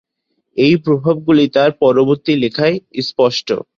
এই প্রভাবগুলি তার পরবর্তী লেখায় স্পষ্ট।